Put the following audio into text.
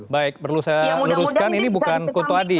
baik perlu saya luluskan ini bukan kuntro adi ya